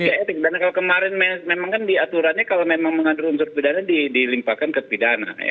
dan kalau kemarin memang diaturannya kalau memang menghadir unsur pidana dilingpalkan ke pidana